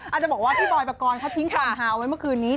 อาจจะบอกว่าพี่บอยปกรณ์เขาทิ้งความฮาเอาไว้เมื่อคืนนี้